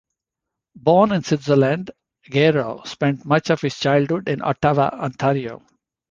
Born in Switzerland, Gero spent much of his childhood in Ottawa, Ontario.